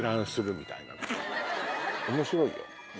面白いよ。